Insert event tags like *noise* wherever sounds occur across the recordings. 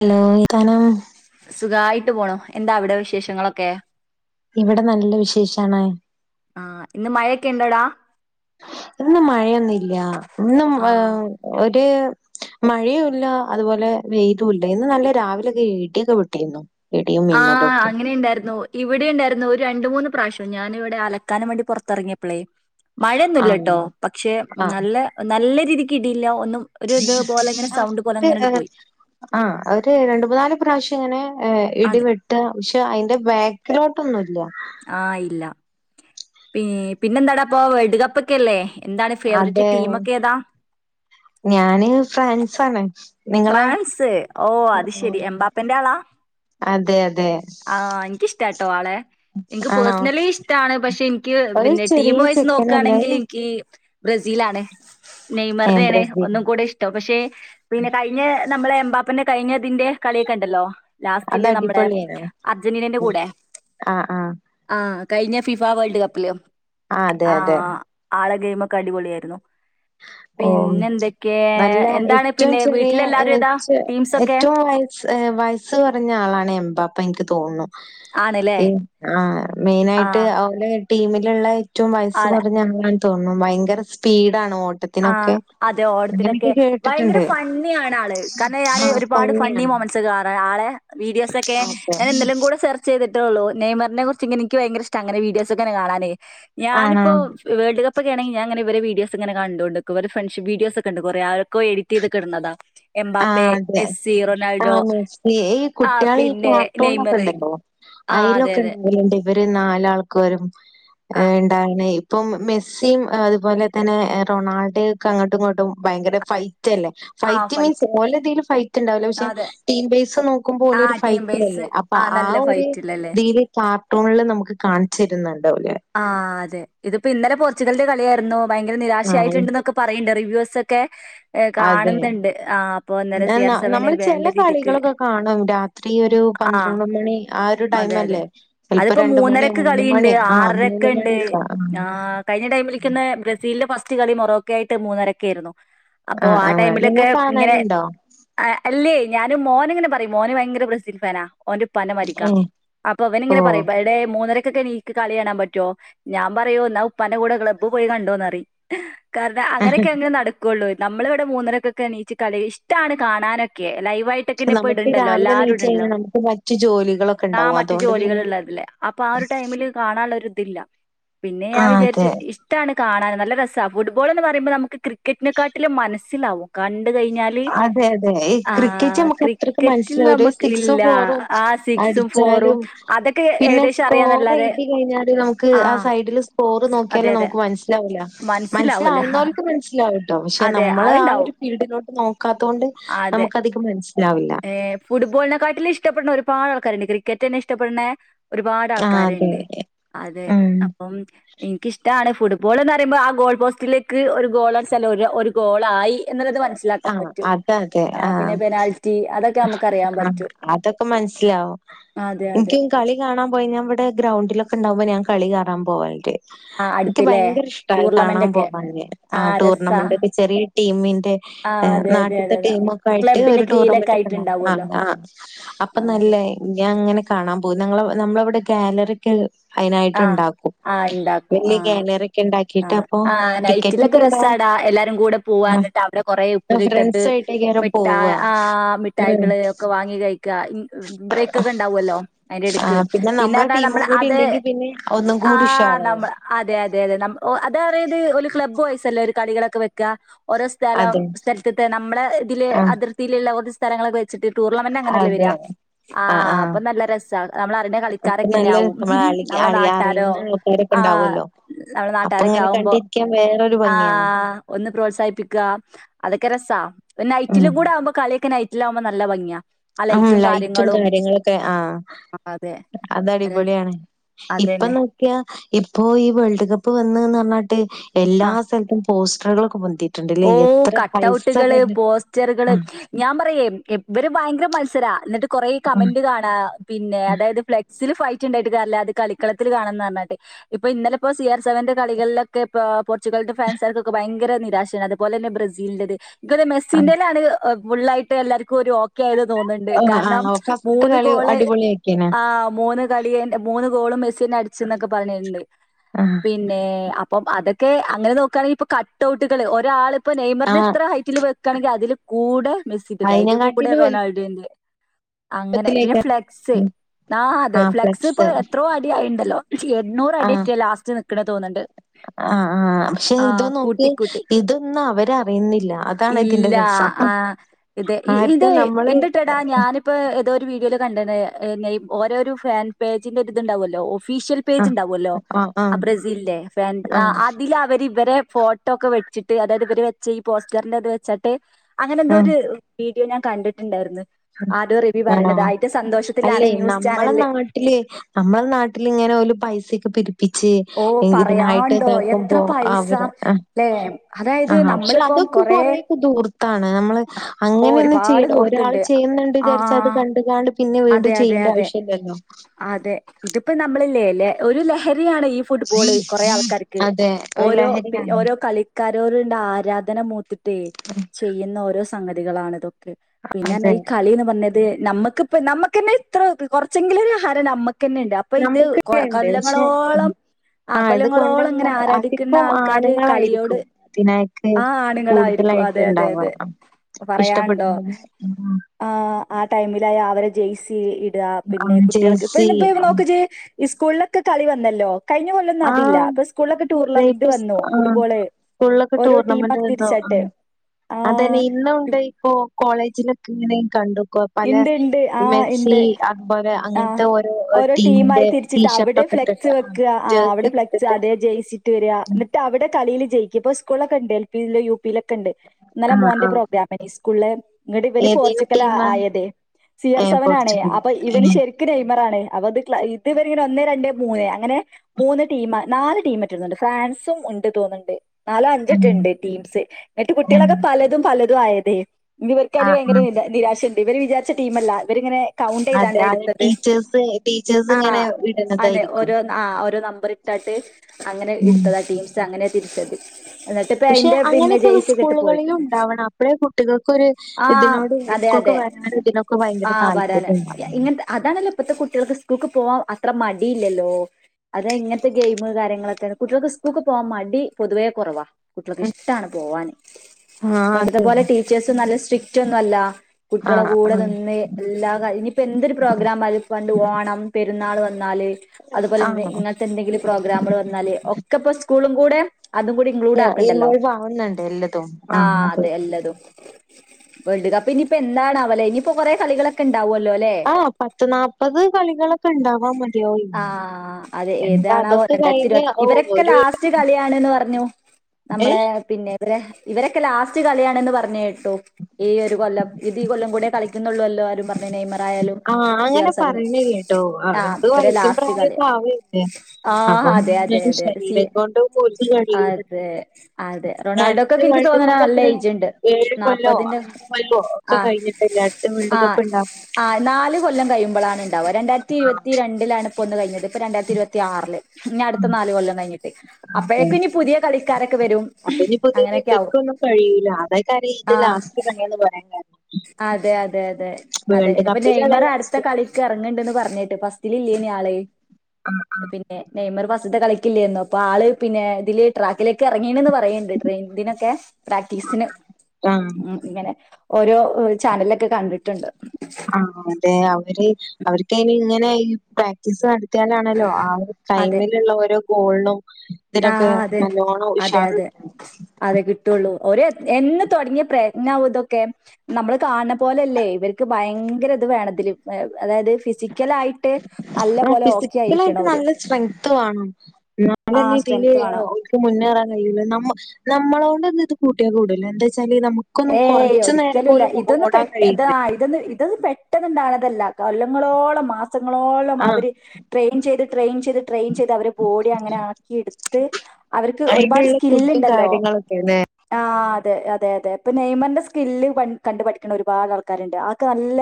ഹലോയി കാനം സുഖായിട്ട് പോണു എന്താ അവിടെ വിശേഷങ്ങളൊക്കെ ഇവിടെ നല്ല വിശേഷാണ് ആഹ് ഇന്ന് മഴയൊക്കെ ഇണ്ടോടാ ഇന്നും മഴയൊന്നുല്ല ഇന്നും ആ ഒര് മഴയു ഇല്ല അതുപോലെ വെയലു ഇല്ല ഇന്ന് നല്ല രാവിലൊക്കെ ഇടിയൊക്കെ വെട്ടിരുന്നു ആഹ് അങ്ങിനെ ഇണ്ടാരുന്നു ഇവിടെ ഇണ്ടായിരുന്നു ഒരു രണ്ട് മൂന്ന് പ്രാവശ്യം ഞാന് ഇവിടെ അലക്കാനും വേണ്ടി പൊറത്തിറങ്ങിയപ്പളേ മഴയൊന്നുല്ലട്ടോ ആഹ് പക്ഷേ നല്ല നല്ല രീതിക്ക് ഇടിയില്ല ഒന്നും ഒരു ഇത് പോലങ്ങനെ സൗണ്ട് പോലെ അങ്ങനണ്ട് ആഹ് പോയി ആഹ് ഒരു രണ്ട് മൂന്നാല് പ്രാവശ്യം ഇങ്ങനെ അതെ ഇടിവെട്ട്വാ പക്ഷെ അതിന്റെ ബാക്കിലോട്ടോന്നുല്ല ആഹ് ഇല്ല പി പിന്നെന്താടാ അപ്പൊ വേൾഡ് കപ്പൊക്കെല്ലേ എന്താണ് ഫേവറിറ്റ് അതെ ടീമൊക്കെ ഏതാ ഞാന് ഫ്രാൻസാണ് നിങ്ങളോ ഫ്രാൻസ് ഓഹ അത് ഉം. ശെരി എമ്പാപ്പന്റെ ആളാ അതെ അതെ ആഹ് എനിക്കിഷ്ടാട്ടോ ആളെ എനിക്ക് ആണോ പേഴ്സണലി ഇഷ്ടാണ് പക്ഷെ എനിക്ക് ഒരു പിന്നെ ടീം ചെറിയ വെച്ച് ചെക്കനല്ലേ നോക്കാണെങ്കി എനിക്ക് ബ്രസീലാണ് ഏഹ് നെയ്മറിനെയാണ് ബ്രസീൽ ഒന്നും കൂടെ ഇഷ്ടം പക്ഷെ പിന്നെ കഴിഞ്ഞ നമ്മള് എംമ്പാപ്പന്റെ കഴിഞ്ഞതിന്റെ കളിയൊക്കെണ്ടല്ലോ അത് ലാസ്റ്റില് നമ്മടെ അടിപൊളിയാണ് അർജന്റീനെന്റെ കൂടെ ആഹ് ആഹ് ആഹ് കഴിഞ്ഞ ഫിഫ വേൾഡ് കപ്പില് ആഹ് അതെ അതെ ആഹ് ആളെ ഗെയിമൊക്കെ അടിപൊളിയാരുന്നു ഓഹ് പിന്നെ എന്തൊക്കെ നല്ല എന്താണ് ഏറ്റവും പിന്നെ വീട്ടില് എല്ലാരും ഏതാ ടീംസൊക്കെ വയസ്സ് വയസ്സ് കൊറഞ്ഞ ആളാണ് എംമ്പപ്പൻ എനിക്ക് തോന്നുന്നു ആണ്ല്ലേ എൻ ആഹ് മെയിനായിട്ട് ആഹ് ഔലെ ടീമില്ള്ളത് ഏറ്റവും വയസ്സ് ആളെ കൊറഞ്ഞ ആളാ തോന്നും ഭയങ്കര സ്പീഡാണ് ഓട്ട ആഹ് അതെ ഓട്ടത്തിനൊക്കെ ഭയങ്കര ഫണ്ണിയാണ് ആള്. കാരണം ഞാന് ആഹ് ഒരു പാട് ഫണ്ണി തന്നെയാണ് മൊമെന്റ്സ് കാണാറ് ആളെ വീഡിയോസൊക്കെ അതെ ഞാൻ ഇന്നലെയും കൂടെ സെർ ചെയ്തിട്ടേയുള്ളൂ നെയ്മറിനെക്കുറിച്ച് ഇങ്ങനെ എനിക്ക് ഭയങ്കര ഇഷ്ടാ അങ്ങനെ വീഡിയോസൊക്കെ അങ്ങനെ കാണാനേ ആണോ ഞാനിപ്പോ ഈ വേൾഡ്കപ്പൊക്കെ ആണെങ്കി ഞാൻ ഇങ്ങനെ ഇവരുടെ വഡിയോസ് ഇങ്ങനെ കണ്ടോണ്ടിക്കും ഇവരുടെ ഫ്രണ്ട്ഷിപ്പ് വീഡിയോസൊക്കെ ഉണ്ട് കൊറേ ആരൊക്കെയോ എഡിറ്റ് ചെയ്തൊക്കെ ഇടുന്നതാ എംബാപ്പെ ആഹ് അതെ മെസ്സി റൊണാൾഡോ ആഹ് മെസ്സി ഈ ആഹ് കുട്ടികള് ഈ പിന്നെ കാർട്ടൂണൊക്കെ നെയ്മറ് ഉണ്ടല്ലോ ആഹ് അതെ അയിലൊക്കെ അതെ ഉണ്ടാവലുണ്ട് ഇവര് നാലാൾക്കാരും ഏ ആഹ് ധാരണയായി ഇപ്പം മെസ്സിയും അതുപോലെ തന്നെ റൊണാൾഡെ ഒക്കെ അങ്ങോട്ടും ഇങ്ങോട്ടും ഭയങ്കര അതെ ഫൈറ്റ് അല്ലേ ഫൈറ്റ് മീൻസ് ഓൽടെ ഇതില് ഫൈറ്റ് ഉണ്ടാവില്ല പക്ഷെ അതെ ടീം ബേസ് നോക്കുമ്പോ ഓല് ഒരു ആഹ് ടീം ബേസ് ഫൈറ്റിലല്ലേ അപ്പൊ ആഹ് ആ നല്ല ഒരു ഫൈറ്റ്ല്ലല്ലേ ഇതില് കാർട്ടൂണില് നമുക്ക് കാണിച്ച് തരുന്നുണ്ട്‌ ഓലെ ആഹ് അതെ ഇതിപ്പോ ഇന്നല പോർച്ചുഗലിന്റെ കളിയായിരുന്നു ഭയങ്കര ആഹ് നിരാശയായിട്ടുണ്ടെന്നൊക്കെ പറയണ്ട് റിവ്യൂസ് ഒക്കെ ഏഹ് അതെ. കാണുന്നുണ്ട് ആഹ് അപ്പൊ അന്നേരം സി ന ആർ സെവന് വേണ്ട രീതിക്ക് ത്രി ഒരു ആഹ് പന്ത്രണ്ട് മണി ആ ഒരു അതെ അതെ ടൈമല്ലേ ചിലപ്പോ അതിപ്പോ രണ്ട്‌ മണി മൂന്നരക്ക് മൂന്ന് കളിയുണ്ട് മണി ആ മൂ ആറരക്ക് ന്ന് ഉണ്ട് മണിയൊക്കെ ആവും. ആഹ് കഴിഞ്ഞ ടൈമിലേക്കിന്ന് ബ്രസീലിന്റെ ഫസ്റ്റ് കളി മൊറോക്കെ ആയിട്ട് മൂന്നരക്കായിരുന്നു. അപ്പൊ ആഹ് ആഹ് ആ ആഹ് നിങ്ങൾ ടൈമിലൊക്കെ ഇങ്ങനെ കാണലുണ്ടോ? ആഹ് അല്ലേ ഞാന് മോനിങ്ങനെ പറയും മോന് ഭയങ്കര ബ്രസീൽ ഫാനാ ഓൻ്റെ ത്താൻ്റെ മാതിരിക്കാ ഏഹ് അപ്പൊ അവനിങ്ങനെ പറയും ഓഹ് ഇവടെ മൂന്നരക്കൊക്കെ എണീറ്റ് കളി കാണാൻ പ റ്റുവോ ഞാൻ പറയും എന്നാ ഉപ്പാന്റെ കൂടെ ക്ലബ്ബിൽ പോയി കണ്ടോന്ന് പറയും കാരണം അങ്ങനെയൊക്കെ അങ്ങനെ നട ക്കുള്ളൂ നമ്മളിവിടെ മൂന്നരക്കൊക്കെ എണീച്ച് കളി ഇഷ്ടാണ് കാണാനൊക്കെ ലൈവായി ട്ടിങ്ങനെ ഇപ്പ നമുക്ക് ഇടണ്ടല്ലോ രാവിലെ എല്ലാരും നീച്ച് ഇടുണ്ടല്ലോ കഴിഞ്ഞാൽ നമുക്ക് മറ്റു ജോലികളൊക്കെ ആ ഉണ്ടാവും മറ്റ് അതുകൊണ്ട് ജോലികൾ പിന്നെ ഉള്ളവരല്ലേ അപ്പൊ ആ ഒരു ടൈമില് കാണാനുള്ളൊരു ഇതില്ല പിന്നെ ഞാൻ ആഹ് അതെ വിചാരിച്ചു ഇ ഇഷ്‌ടാണ് കാണാന് നല്ല രസവാ ഫുട്ബോളെന്ന് പറയുമ്പോ നമുക്ക് ക്രിക്കറ്റിനെക്കാട്ടിലും മനസ്സിലാവും. കണ്ടു കഴിഞ്ഞാല് അതെ അതെ ഈ ആ ക്രിക്കറ്റ് നമുക്ക് അത്രക്ക് ക്രിക്കറ്റിൽ മനസ്സിലാവു ഒരു നമുക്ക് സിക്സും ഇല്ല ഫോറും ആ സിക്സും ഫോറും അടിച്ചാലും അതൊക്കെ പിന്നെ ഏകദേശം സ്കോർ അറിയാന്നല്ലാതെ എഴുതി കഴിഞ്ഞാലും നമു ക്ക് ആ സൈഡില് സ്കോർ സ് അതെ നോക്കിയാലും അതെ നമുക്ക് മനസ്സിലാവൂല്ല മനസ്സിലാവൂല മനസ്സിലാവുന്നവർക്ക് മനസ്സിലാവൂട്ടോ പക്ഷെ അതെ നമ്മള് ആ ഒരു അതുണ്ടാവും ഫീൽഡിലോട്ട് നോക്കാത്തോണ്ട് അതെ നമുക്ക് അധികം മനസ്സിലാവില്ല ഏഹ് ഫുട്ബോളിനെക്കാട്ടില് ഇഷ്ടപ്പെടുന്ന ഒരുപാട് ആൾക്കാരുണ്ട്. ക്രിക്കറ്റിനെ ഇഷ്ടപ്പെടുന്നെ ഒരുപാട് ആഹ് അതെ ആൾക്കാരുണ്ട് അതെ ഉം അപ്പം എനിക്കിഷ്ടാണ് ഫുട്ബോൾ എന്ന് പറയുമ്പോൾ ആ ഗോൾ പോസ്റ്റിലേക്ക് ഒരു ഗോൾ അടിച്ചാൽ ഒരു ഒരു ഗോളായി. എന്നുള്ളത് മനസ്സിലാക്കാൻ ആഹ് പറ്റും അതെ അതെ ആ ആഹ് പിന്നെ പെനാൽ ഈ അതൊക്കെ നമുക്ക് അറിയാൻ ആഹ് പറ്റും അതൊക്കെ മനസ്സിലാവും അതെ അതെ എനിക്ക് കളി കാണാൻ പോയി ഞാൻ ഇവിടെ ഗ്രൗണ്ടിലൊക്കെ ഉണ്ടാവുമ്പോ ഞാൻ കളി കാണാൻ പോവലുണ്ട് ആ എനിക്ക് അടുത്തില്ലേ ഭയങ്കര ഇഷ്ടമായി ടൂർണമെന്റ് കാണാൻ ഒക്കെ പോവാനേ ആ ആഹ് രസാ ടൂർണമെന്റ് ഒക്കെ ചെറിയ ടീമിന്റെ ആ അതെ അതെ നാട്ടിത്തെ അതെ അതെ ടീമൊക്കെ ആയിട്ട് ക്ലബിന്റെ ഒരു കീഴിലൊക്കെ ടൂർണമെന്റ് ഒക്കെ ഉണ്ടായിരുന്നു ആയിട്ടുണ്ടാവുമല്ലോ ആഹ് ആഹ് അപ്പൊ ആ അതെ നല്ലേ ഞാൻ അങ്ങനെ കാണാൻ പോകും നമ്മള നമ്മളവിടെ ഗാലറി യൊക്കെ അതിനായിട്ട് ആ ഉണ്ടാക്കും ആ ഉണ്ടാക്കും വല്യ ആ ഗാലറി ഒക്കെ ഉണ്ടാക്കിയിട്ട് ആഹ് അപ്പൊ ആഹ് ടിക്കറ്റ് നൈറ്റിലൊക്കെ ഒക്കെ ഉണ്ടാവും. രസവാടാ എല്ലാരും കൂടെ പോവാ ആ എന്നിട്ട് അ പിന്നെ കൊറെ ഉപ്പിലിട്ടത് ഫ്രണ്ട്സ് ആയിട്ടേക്കാരം മിഠായി പോവാ. ആഹ് ഉം മിഠായികള് ഒക്കെ വാങ്ങി കഴി ക്കാ ബ്രേക്ക് ഒക്കെ ഉണ്ടാവുമല്ലോ അതിന്റെ ആ ഇടക്ക് പിന്നെ നമ്മളെ പറഞ്ഞാൽ ടീമും നമ്മള് കൂടി അത് ഉണ്ടെങ്കി പിന്നെ ഒന്നും കൂടി ആഹ് ഉഷാറായി നമ്മൾ അതെ അതെ അതെ അതെ ന അതായത് ഒരു ക്ലബ് വൈസ്സല്ലേ ഓര് കളികളൊക്കെ വെക്കുക ഓരോ സ്ഥലം അതെ സ്ഥലത്തെ നമ്മളെ ഇതില് ആ അതിർത്തിയിലുള്ള ഒരു സ്ഥലങ്ങളൊക്കെ വെച്ചിട്ട് ടൂർണമെന്റ് അങ്ങനെയല്ലേ അതെ വരാ. ആഹ് അപ്പൊ നല്ല രസാ. നമ്മള് അറിയണ കളി അപ്പൊ നല്ല ക്കാരന്നെയാവും. നമ്മള അളി നമ്മളെ അളി നാട്ടാരോ അറിയുന്ന ആഹ് നമ്മളെ നാട്ട അപ്പ അങ്ങനെ കണ്ടിരിക്കാൻ വേ ആഹ് ഒന്ന് പ്രോത്സാഹിപ്പിക്കുക അതൊക്കെ രസാ. അത് ഉം നൈറ്റിലും കൂടെ മ്പോ കളിക്കെ നൈറ്റിലാവുമ്പോ നല്ല ഭംഗിയാ ആ ഹ ലൈറ്റും കാര്യങ്ങളും കാര്യങ്ങളൊക്കെ ആ അതെ അതെ അതടിപൊളിയാണ് അതന്നെ ഇപ്പന്ന് ക്യാ ഇപ്പോ ഈ വേൾഡ് കപ്പ് വന്ന് പറഞ്ഞിട്ട് ആ എല്ലാ സ്ഥലത്തും പോസ്റ്ററുകളൊക്കെ പൊന്തി ഓ കട്ടഔട്ടുകള് പോസ്റ്ററുകള് ആഹ് ഞാൻ പറയേ ഇവര് ഭയങ്കര മൽസരാ ന്നിട്ട് കൊറെ ആഹ് കമന്റ് കാണ ആ പിന്നെ അതായത് ഫ്ലെക്സിൽ ഫൈറ്റ് ഉണ്ടായിട്ട് കാര്യല്ലാ അത് കളിക്കളത്തിൽ കാണന്ന് പറഞ്ഞിട്ട് ഇപ്പൊ ഇന്നലെ ഇപ്പോ സി ആർ സെവന്റെ കളികളിലക്കെ പോർച്ചഗിലിന്റെ ഫാൻസാർക്കൊക്കെ ഭയങ്കര നിരാശ അതുപോലെ തന്നെ ബ്രസീലിൻെത് എനിക്ക് തോന്നണു മെസിന്റെതാണ് ഫുള്ളായിട്ട് എല്ലർക്കും ഒരു എനിക്ക് അത് തോന്നുന്നുണ്ട് ആഹ് ആഹ് കാരണം ആഹ് ഫസ്റ്റ്ത്തെ മൂന്നു കളി ഗോള് അടിപൊളിയാക്കിയനെ ആ മൂന്ന് ള മൂന്ന് ഗോളും മെസ്സിതനെ അടിച്ചന്നൊക്കെ പറഞ്ഞിണ്ട് ആഹ് പിന്നെ പിന്നെ അപ്പം അതൊക്കെ അങ്ങനെ നോക്കാണെങ്കിൽ ഇപ്പൊ കട്ട്ഔട്ടുകള് ഒരാള് ഇപ്പൊ നെയ്മറിന്റെ ആഹ് എത്ര ഹൈറ്റിൽ വെക്കാണെങ്കിൽ അതില് കൂടെ മെസ്സിൻ്റെ അതിന്റെ കൂടെ അയിനെക്കാട്ടിലും റൊണാൾഡോന്റെ അങ്ങനെ പിന്നെ വലുപ്പത്തിലേക്കാ ഫ്ലെക്സ് ആ തെ ആഹ് ഫ്ലെക്സ്പ്പൊ ഫ്ലെക്സ് എത്രോടി ആയിണ്ടല്ലോ ആഹ് എണ്ണൂറടിറ്റെ ലാസ്റ്റ് നിക്കണ തോന്നുണ്ട് ആഹ് ആഹ് പക്ഷെ ആ ഇത് നോക്ക് കൂട്ടിക്കൂട്ടി ഇതൊന്നും അവരറിയുന്നില്ല. അതാണ് ഇതിന്റെ ഇല്ല രസം. ആ ഇത ഇത് ആർക്കും നമ്മള് ഇണ്ടിട്ടടാ ഞാൻ പ്പോ ഏതോരു വീഡിയോൽ കണ്ടണ് ഓരോ ഒരു ഫാൻ പേജിന്റെ ഇതുണ്ടാവുല്ലോ ഒഫീഷ്യൽ പേജ് ആഹ് ഉണ്ടാവുല്ലോ ആഹ് ആഹ് ബ്രസീലന്റെ ആഹ് അതിൽ അവരി ഇവരെ ഫോട്ടോ ഒക്കെ വെ വെച്ചിട്ട് അതായത് ഇവര് വെച്ച ഈ പോസ്റ്ററിന്റെറ അത് വെച്ചട്ട് ആഹ് അങ്ങനെന്തോരു വീഡിയോ ഞാൻ കണ്ടിട്ടുണ്ടായിരുന്നു ആരോ റിവി ആണോ പറയണത് അയിന്റെ സന്തോഷത്തിലാണ് ഈ ന്യൂസ് ചാനല് ല്ലേ മ്മളെ നാട്ടിലിങ്ങനെ ഓല് പൈസൊക്കെ പിരിപ്പി ച്ച് ഓ ഇതിനായിട്ട് പറയാണ്ടോ എത്ര ഇതാക്കുമ്പോ പൈസ അവര് ല്ലെ അതായത് ആ ക്ഷെ അതു നമ്മളിപ്പം കൊറേ കൊറൊ ദൂർത്താണ് നമ്മള് ഓ അങ്ങനെന്നും ചെയ്യാ ഒരുപാട് ഓരാൾ ദൂർത്തുണ്ട് ചെയ്യുന്നുണ്ട് വിചാരിച്ച അത് ആഹ് കണ്ട കാണ്ട് പിന്നെ വീണ്ടും അതെ അതെ ചെയ്യേണ്ട അതെ ആവശ്യമില്ലല്ലോ അതെ ഇതിപ്പംനമ്മള്ല്ലേ ല ഒരു ലഹരിയാണ് ഈ ഫുട്ബോള് കുറേ ആൾക്കാർക്ക് അതെ ഒരു ഓരോ പി ലഹരിയാണ്. ഓരോ കളി ക്കാരോര്ണ്ട് ആരാധന മൂത്തിട്ടേ ചെയ്യുന്ന ഓരോ സംഗതികളാണ് ഇതൊക്കെ പിന്നെന്നെ അതെ ഈ കളിന്ന് പറഞ്ഞത് നമ്മുക്ക് അപ്പ നമ്മുക്ക് തന്നെ ഇത്ര കുറച്ചെങ്കിലും ഒരു ഹരം നമ്മുക്ക് തന്നെ ഉണ്ട് പ്പ ഇത് കൊ നമുക്കല്ലേ ഉണ്ട് പക്ഷെ കൊല്ലങ്ങളോളം ആ ആഹ് ഇത് കൊല്ലങ്ങളോള ഇങ്ങനെ കൊണ്ടുവന്ന ആരാധിക്കുന്ന ആൾക്കാാര് കളിയോട് അതിനായിട്ട് ആ ആണുങ്ങളായിരിക്കും കൂടുതലായിട്ട് അതെ അതെ ഇണ്ടാവാ അതെ പറയാണ്ടോ ഇഷ്ടപ്പെടുന്ന ഉം ആ അ ടൈമിലായ അവരെ ജെഴസി ഇടുക പിന്നെ ആഹ് കുട്ടികൾക്ക് ജേഴ്സി പിന്നെ പെണ്ണ്ങ്ങളന്നെ നോക്ക്ജ് ഈ സ്കൂളിലൊക്കെ കളി വന്നല്ലോ കഴിഞ്ഞ കൊല്ലൊന്നും അതില്ല ആഹ് ഇപ്പൊ സ്കൂളിലക്കെ ടൂർണമെന്റ് വന്നു ലേറ്റസ്റ്റ് ആഹ് ഫുട്ബോള് സ്കൂളിലൊക്കെ ഓരോ ടൂർണമെന്റ് ടീമാക്കി വന്ന തിരിച്ചായിട്ട് അതന്നെ ആഹ് ഇന്നുണ്ട് ഓ കോളേജിലൊക്കെ ഇങ്ങനെയും കണ്ടു പല ഇണ്ട് ഇണ്ട് ആഹ് മെസ്സി ഇണ്ട് അതുപോലെ ആഹ് അങ്ങനത്തെ ഓരോ ടീമിന്റെ ടീശർട്ടോക്കെ ഇട്ട്ട്ട് ആ ആ അവിടെ ഫ്ലക്സ് അതെ ജയിച്ചിട്ട് വരി എന്നിട്ട് അവിടെ കളിയില് ജയിക്കും ഇപ്പ സ്കൂളൊക്കെ ഉണ്ട് എൽ പി യു പിയിലൊക്കെ ഉണ്ട് ഇന്നലെ ആഹ് മോന്റെ ആഹ് പ്രോഗ്രാമേനി സ്കൂളില് ന്ന്ട്ട് ഇവന് ഏതേനു പോർച്ചുഗൽ ടീമാ ആയ സി ഓർ ഏഹ് സെവനാണേ പോർച്ചുഗൽ അപ്പൊ ഇവന് ഏഹ് ശെരിക്കും നൈമറാണ് അപ്പത് ക്ലാ ത്ങ്ങനെ ഒന്ന് രണ്ട് മൂന്ന് അങ്ങനെ മൂന്ന് ടീം നാല് ടീമേറ്റെണ്ട് തോന്ന്ണ്ട് ഫ്രാൻസും ണ്ട് തോന്ന്ണ്ട് നാലോ അഞ്ചോ റ്റെണ്ട് ടീംസ് ന്ന്ട്ട് കുട്ട്യാളൊക്കെ ഏഹ് പലതും പലതും ആയതേ ഇവർക്കയ്ല് ആഹ് ഭയങ്കര ആഹ് നിലാ നിരാശേണ് ഇവര് വിജാരിച്ച ടീമല്ല ഇവരിങ്ങനെ അതെ കൗണ്ടെയ്താണ്ടാ അത് ഇട്ത്തത് ടീച്ചേഴ്സ് ടീച്ചേഴ്സ് ഇങ്ങനെ ആഹ് അതെ വിടണതായിരിക്കും. ഒരോ ആഹ് ഒരോ നമ്പർ ഇട്ടാട്ട് അങ്ങനെ ഉം ഇട്ത്തതാ ടീംസ് അങ്ങനെ തിരിച്ചത് പക്ഷെ ന്ന്ട്ട്പ്പയ്ന്റെ പിന്നെ അങ്ങനെയൊക്കെ ജെയ്സ്യൊക്കെ ട്ട് സ്കൂളുകളിൽ പോയിക്ക്ണ് ഉണ്ടാവണം അപ്പഴേ കുട്ടികൾക്കൊരു ആഹ് ഇതിനോട് അതെ സ്കൂൾക്ക് അതെ വരാനും ഇതിനൊക്കെ ആ ഭയങ്കര വരാന് താല്പര്യം ഉണ്ടാവുള്ളൂ. ങ്ങൻത്തെ അതാണല്ലോ ഇപ്പത്തെ കുട്ട്യാൾക്ക് സ്കൂൾക്ക് പോവാൻ അത്ര മടില്ലല്ലോ അതാ ഇങ്ങൻത്തെ ഗെയിം കാര്യങ്ങളൊക്കെണ് കുട്ട്യാൾക്ക് സ്കൂൾക്ക് പോവാൻ മടി പൊതുവേ കൊറവാ കുട്ട്യാൾക്ക് ഇഷ്ടാണ് പോവാന് ആഹ് പണ്ടത്തെ പോലെ ടീച്ചേഴ്സും നല്ല സ്ട്രിക്റ്റൊന്നു അല്ല കുട്ട്യാളെ ആഹ് കൂടെ നിന്ന് എല്ലാ കാ ഇനിപ്പൊ എന്തൊരു പ്രോഗ്രാമായാലും പണ്ട് ഓണം പെരുന്നാള് വെന്നാല് അതുപോലെ ന്ന് ആഹ് ഇങ്ങൻത്തെ എന്തെങ്കിലും പ്രോഗ്രാമുകള് വെന്നാല് ഒക്കെപ്പൊ സ്കൂളും കൂടെ അതും കൂടി ആഹ് ഇൻക്ലൂഡാക്ക്ണ്ടല്ലോ ഇൻവോൾവ് ആവുന്നുണ്ട് എല്ലതും ആഹ് അതെ എല്ലതും വേൾഡ് കപ്പ് ഇനിയിപ്പോ എന്നാണാവൊലെ ഇനിയിപ്പോ കൊറെ കളികള് ക്കെണ്ടാവല്ലോ ലെ ആഹ് പത്ത് നാപ്പത് കളികളൊക്കെ ണ്ടാവാൻ മതിയാവും അത് എന്താ ഏതാണാവോ അതൊക്കെ രണ്ടായിരത്തി കഴിഞ്ഞ് ഇരുപത് ഓഹ് ഇവരൊക്കെ ഒരു ലാസ്റ്റ് കളിയാണ്ന്ന് പറഞ്ഞു നമ്മളെ ഏഹ് പിന്നെ ഇവരെ ഇവരൊക്കെ ലാസ്റ്റ് കളിയാണെന്ന് പർഞ്ഞെ കേട്ടു ഈ ഒരു കൊല്ലം ഇത് ഈ കൊല്ലം കൂടെ കളിക്കുന്നൊള്ളോല്ലാരും പർഞ് നെയ്മർ ന്തായാലും ആഹ് സി ആർ അങ്ങനെ സെവന് പറയണ കേട്ടോ ആഹ് അവർക്ക് ഇവരെ വയസ്സും ലാസ്റ്റ് കളി പ്രായൊക്കെ ആവല്ലേ ആഹ് അപ്പം അതെ അതെ ഇങ്ങനെ അതെ സി ശരീരം കൊണ്ട് ഒരു കഴിയൂല അതെ അതെ ഇനി അടുത്ത റൊണാൾഡോക്കൊക്കെ ഇനിക്ക് വേൾഡ് തോന്ന്ണ് കപ്പ് നല്ല എത്ര എയ്ജ്ണ്ട് ഏഴ് കൊല്ലോ നാപ്പതിന്റെ അഞ്ച് ഒക്കെ ആഹ് കഴിഞ്ഞട്ടല്ലെ അട്ത്ത വേൾഡ് ആഹ് കപ്പ് ണ്ടാവു ആഹ് നാല് കൊല്ലം കഴിയുമ്പളാണ് ണ്ടാവ രണ്ടായിരത്തി ഇരുപത്തി രണ്ടിലാണ് ഇപ്പൊ ഒന്ന് കയ്ഞ്ഞത് ഇപ്പോ രണ്ടായിരത്തി ഇരുപത്തി ആറില് ഇനി അടുത്ത നാല് കൊല്ലം കഴിഞ് ട്ട് അതെ അപ്പഴേക്കും ഇനി പുതിയ കളിക്കാരൊക്കെ വെരും അപ്പൊ അങ്ങനെയൊക്കെ ആവും താരാ ഇത് ആഹ് ലാസ്റ്റ് കളിയാന്ന് പറയാൻ കാരണം അതെ അതെ അതെ അതെ വേൾഡ് എനിപ്പൊ കപ്പിലല്ല നെയ്മറ് അടുത്ത ലാസ്റ്റ് കളി ച്ച് എറങ്ണ്ട്ന്ന് പർഞേട്ട് ഫസ്റ്റിലില്ലേനു ആള് ആഹ് ആഹ് പിന്നെ നെയ്മറ് ഫസ്റ്റ്ത്തെ കളിക്കില്ലേന്നു പ്പാള് പിന്നെ ഇതില് ട്രാക്കിലേക്കെറങ്ങീണ്ന്ന് പറയിണ്ട് ട്രെയിൻ ഇതിനൊക്കെ പ്രാക്ടീസിന് ആഹ് ഇങ്ങനെ ഓരോ ചാനലൊക്കെ കണ്ട്ട്ട്ണ്ട് ആഹ് അതെ അവര് അവര്ക്ക്യ്ന് ഇങ്ങനെ ഇ പ്രാ ക്ടീസ് നടത്തിയാലാണല്ലോ ആള് അതെ ടൈമില്ള്ള ഓരോ ഗോളിനും ഇതിനൊക്കെ ആഹ് അതെ നല്ലോണം അതെ ഉഷാറ് അതെ കിട്ടും അതെ കിട്ടൊള്ളു ഒര് എന്ന് തൊടങ്ങ്യ പ്രയത്നമാവും ഇതൊക്കെ നമ്മള് കാണണ പോലല്ലേ ഇവർക്ക് ഭയങ്കര ഇത് വേണതില് അതായത് ഫിസിക്കലായി ട്ട് നല്ല പോലെ ഓക്കെയായിരിക്കണം ഓര് സ്‌ട്രെങ്ത് വാണം ന്നാലെന്നെ ആഹ് ഇതില് സ്ട്രെങ്ത് വേണം. ക്ക് മുന്നേറാൻ കയ്യൊള്ളു നമ്മ നമ്മളോണ്ടൊന്നും ഇത് കൂട്ട്യാ കൂടുല്ല എന്താ ച്ചാല് നമു ഏയ് ഒരിക്കലും ല്ല ഇതൊന്ന് പെട്ട് താ കഴിയില്ല ഇതൊന്ന് ഇതൊന്ന് പെട്ട് ട്ടെന്ന്ണ്ടാവ്ണതല്ല കൊല്ലങ്ങളോളം മാസങ്ങളോളം ആഹ് അവര് ട്രെയിൻ ചെയ്ത് ട്രെയിൻ ചെയ്ത് ട്രെയിൻ ചെയ്ത് അവരെ ബോഡി അങ്ങനെ ആക്കി എടുത്ത് അവർക്ക് ഒരുപാട് അയിനുള്ള സ്കില് ഫുഡും ഉണ്ടല്ലോ കാര്യങ്ങളൊക്കെയാണ് ആഹ് അതെ അതെ അതെ ഇപ്പൊ നെയ്മറിന്റെ സ്കില് കണ്ട് പഠിക്കണ ഒരുപാട് ആൾക്കാരുണ്ട് അതൊക്കെ നല്ല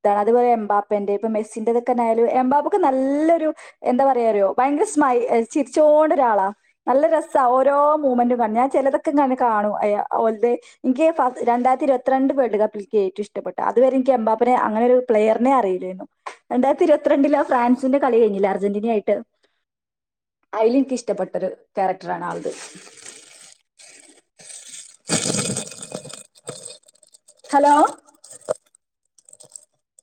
ഇതാണ് അതുപോലെ എമ്പാപെന്റ ഇപ്പൊ മെസ്സിന്റെറതക്കെന്നായാലും എംമ്പാപ്പ്ക്ക് നല്ലൊരു എന്താ പറയാറിയോ ഭയങ്കര സ്മ ചിരിച്ചോണ്ടൊരാളാ നല്ല രസവാ ഓരോ മൂമ്മെന്റും കാണും ഞാൻ ചിലതൊക്കെ ഇങ്ങനെ കാണും അലെ ഓലത് എനിക്ക് ഫ രണ്ടായിരത്തിയിരുപത്തിരണ്ട് വേൾഡ് കപ്പിലേക്ക് ഏറ്റവും ഇഷ്ടപ്പെട്ട അതുവരെ എനിക്ക് എമ്പാപ്പെന അങ്ങനെ ഒരു പ്ലെയറിനെ അറിയില്ലായിരുന്നു. രണ്ടായിരത്തി ഇരുപത്തിരണ്ടില് ആ ഫ്രാൻസിന്റെ കളി കഴിഞ്ഞില്ലേ അർജന്റീന ആയിട്ട് അയില് എനിക്ക്‌ ഇഷ്ടപ്പെട്ടൊരു ക്യാരക്ടറാണ് ആൾടത് *inaudible* ഹലോ